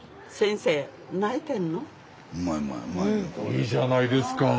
いいじゃないですか。